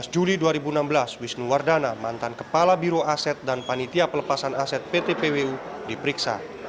dua belas juli dua ribu enam belas wisnu wardana mantan kepala biro aset dan panitia pelepasan aset pt pwu diperiksa